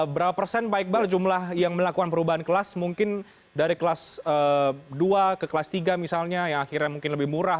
berapa persen pak iqbal jumlah yang melakukan perubahan kelas mungkin dari kelas dua ke kelas tiga misalnya yang akhirnya mungkin lebih murah